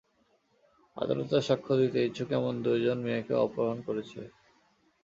আদালতে সাক্ষ্য দিতে ইচ্ছুক এমন দুইজন মেয়েকেও অপহরণ করেছে।